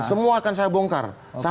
semua akan saya bongkar